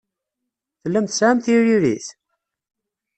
Tellam tesɛam tiririt?